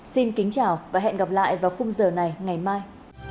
xin kính chào và hẹn gặp lại vào khung giờ này ngày mai